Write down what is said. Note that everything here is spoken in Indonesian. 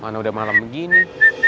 mana udah malem begini